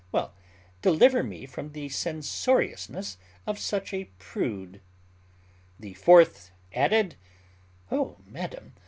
Well, deliver me from the censoriousness of such a prude." The fourth added, "O madam!